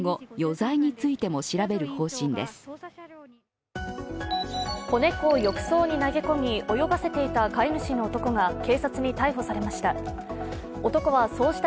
子猫を浴槽に投げ込み泳がせていた飼い主の男が、警察に逮捕されました。